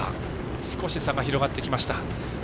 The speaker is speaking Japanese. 少し差が広がってきました。